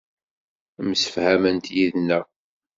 Msefhament yid-neɣ.